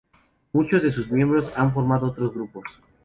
Muchos de sus miembros han formado otros grupos.